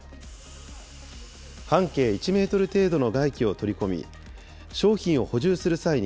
半径１メートル程度の外気を取り込み、商品を補充する際に